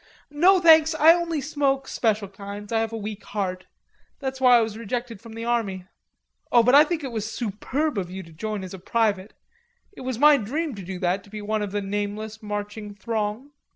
"No, thanks, I only smoke special kinds. I have a weak heart. That's why I was rejected from the army.... Oh, but I think it was superb of you to join as a private; It was my dream to do that, to be one of the nameless marching throng."